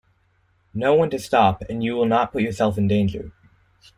Know when to stop, and you will not put yourself in danger.